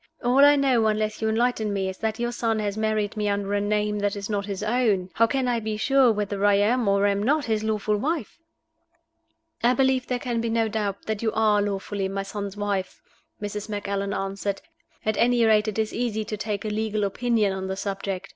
All I know, unless you enlighten me, is that your son has married me under a name that is not his own. How can I be sure whether I am or am not his lawful wife?" "I believe there can be no doubt that you are lawfully my son's wife," Mrs. Macallan answered. "At any rate it is easy to take a legal opinion on the subject.